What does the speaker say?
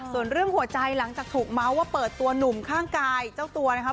ส่วนเรื่องหัวใจหลังจากถูกเมาส์ว่าเปิดตัวหนุ่มข้างกายเจ้าตัวนะครับ